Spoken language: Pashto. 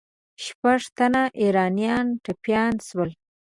شپږ تنه ایرانیان ټپیان سول.